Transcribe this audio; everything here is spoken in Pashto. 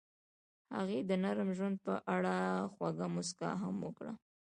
هغې د نرم ژوند په اړه خوږه موسکا هم وکړه.